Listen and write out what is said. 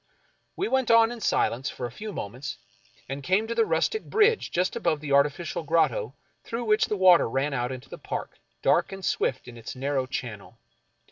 We went on in silence for a few moments, and came to the rustic bridge just above the artificial grotto through which the water ran out into the park, dark and swift in its narrow channel.